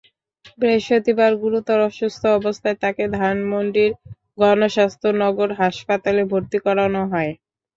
বৃহস্পতিবার গুরুতর অসুস্থ অবস্থায় তাঁকে ধানমন্ডির গণস্বাস্থ্য নগর হাসপাতালে ভর্তি করানো হয়।